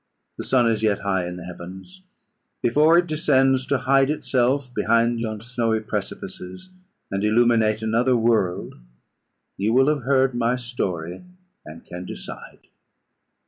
The sun is yet high in the heavens; before it descends to hide itself behind yon snowy precipices, and illuminate another world, you will have heard my story, and can decide.